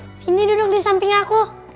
di sini duduk di samping aku